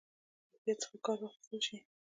احتیاط څخه کار واخیستل شي.